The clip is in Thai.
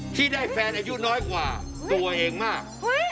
ที่ได้แฟนอายุน้อยกว่าตัวเองมาก